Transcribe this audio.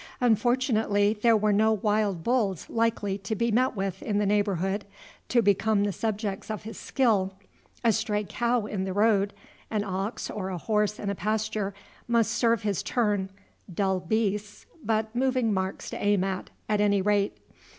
Unfortunately, there were no wild bulls likely to be met with in the neighborhood, to become the subjects of his skill. A stray cow in the road, an ox or a horse in a pasture, must serve his turn, dull beasts, but moving marks to aim at, at any rate.